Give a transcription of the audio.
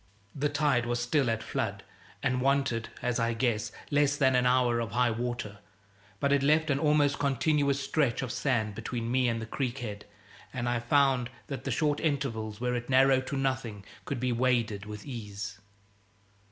The tide was still at flood, and wanted (as I guessed) less than an hour of high water; but it left an almost continuous stretch of sand between me and the creek head, and I found that the short intervals where it narrowed to nothing could be waded with ease.